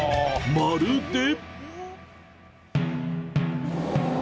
まるで。